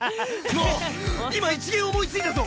あっ今一芸思いついたぞ。